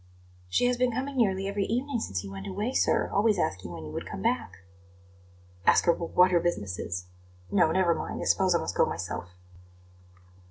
"She has been coming nearly every evening since you went away, sir, always asking when you would come back." "Ask her w what her business is. No; never mind; I suppose I must go myself."